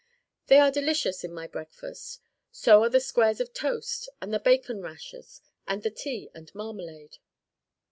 They are delicious in my breakfast. So are the squares of toast and the bacon rashers and the tea and marmalade.